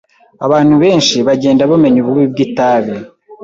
Abantu benshi bagenda bamenya ububi bwitabi.